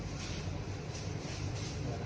ติดลูกคลุม